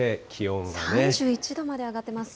３１度まで上がってます。